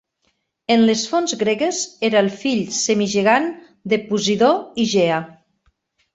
En les fonts gregues era el fill semigegant de Posidó i Gea.